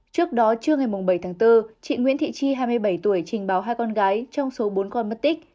trước đó trưa ngày bảy tháng bốn chị nguyễn thị chi hai mươi bảy tuổi trình báo hai con gái trong số bốn con mất tích